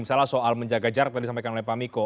misalnya soal menjaga jarak tadi disampaikan oleh pak miko